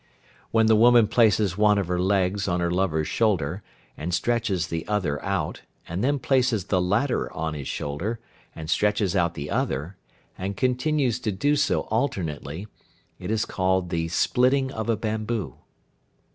When the woman places one of her legs on her lover's shoulder, and stretches the other out, and then places the latter on his shoulder, and stretches out the other, and continues to do so alternately, it is called the "splitting of a bamboo."